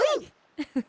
フフフフ。